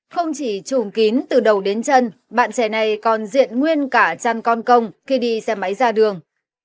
không chỉ trùm kín từ đầu đến chân bạn trẻ này còn diện nguyên cả chăn con công khi đi xe máy ra đường